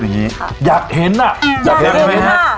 แบบนี้ค่ะอยากเห็นอ่ะอยากแบบไหมฮะ